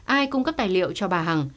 ai cung cấp tài liệu cho bà hằng